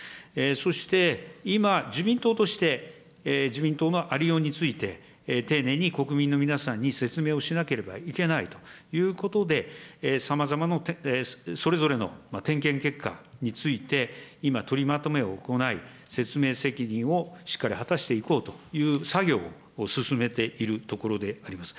そして今、自民党として、自民党のありようについて丁寧に国民の皆さんに説明をしなければいけないということで、さまざまな、それぞれの点検結果について、今、取りまとめを行い、説明責任をしっかり果たしていこうという作業を進めているところであります。